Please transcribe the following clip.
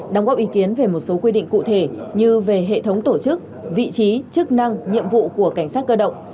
đóng góp ý kiến về một số quy định cụ thể như về hệ thống tổ chức vị trí chức năng nhiệm vụ của cảnh sát cơ động